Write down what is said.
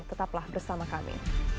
tetaplah bersama kami